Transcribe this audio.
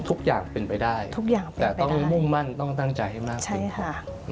ทุกอย่างเป็นไปได้แต่ต้องมุ่งมั่นต้องตั้งใจให้มากกว่า